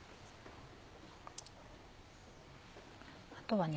あとはね